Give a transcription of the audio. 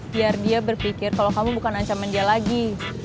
biar dia berpikir kalau kamu bukan ancaman dia lagi